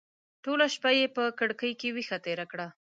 ټوله شپه یې په کړکۍ کې ویښه تېره کړه.